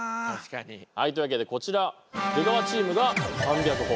はいというわけでこちら出川チームが３００ほぉ。